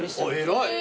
偉い。